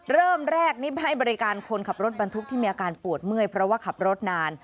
เริ่มแรกนี่ให้บริการคนขับรถบรรทุกที่มีอาการปวดเมื่อยเพราะว่าขับรถนาน